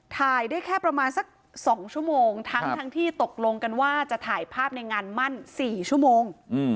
ถ่ายได้แค่ประมาณสัก๒ชั่วโมงทั้งที่ตกลงกันว่าจะถ่ายภาพในงานมั่น๔ชั่วโมง